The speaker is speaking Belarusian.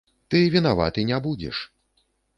Ты вінаваты не будзеш.